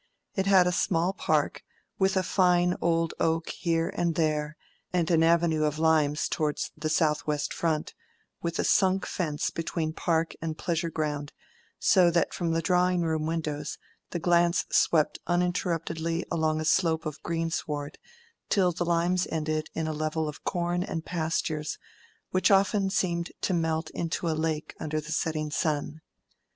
It had a small park, with a fine old oak here and there, and an avenue of limes towards the southwest front, with a sunk fence between park and pleasure ground, so that from the drawing room windows the glance swept uninterruptedly along a slope of greensward till the limes ended in a level of corn and pastures, which often seemed to melt into a lake under the setting sun.